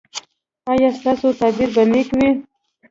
ایا ستاسو تعبیر به نیک وي؟